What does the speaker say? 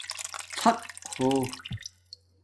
ݼق ہو